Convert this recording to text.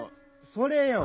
「それ」よ。